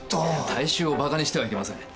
大衆をバカにしてはいけません。